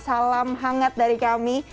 salam hangat dari kami